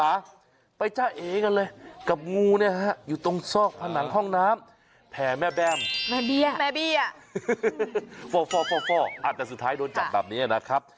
อาจจะสุดท้ายโดนจับแบบนี้นะครับ